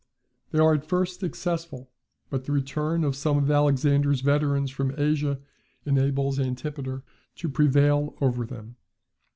They are at first successful; but the return of some of Alexander's veterans from Asia enables Antipater to prevail over them.